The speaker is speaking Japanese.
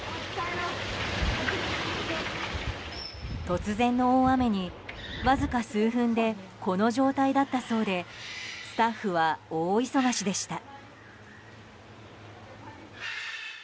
突然の大雨に、わずか数分でこの状態だったそうでスタッフは大忙しでした。